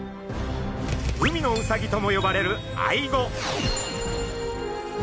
海のウサギとも呼ばれるアイゴ。